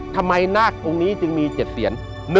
ทำไมนากองค์นี้จึงมี๗เสียร